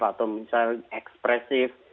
atau misalnya ekspresif